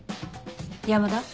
山田。